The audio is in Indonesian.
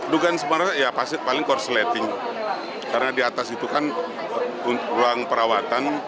dugaan sementara ya paling korsleting karena di atas itu kan ruang perawatan